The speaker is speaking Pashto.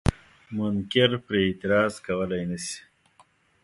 منکر پرې اعتراض کولای نشي.